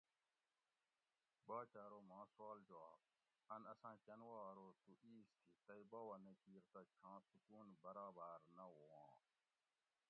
باچہ ارو ماں سوال جواب؟ ان اساں کن وا ارو تو ایس تھی تئ باوہ نہ کیر تہ چھاں سکون برابار نہ وواں